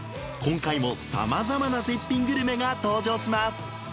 今回もさまざまな絶品グルメが登場します。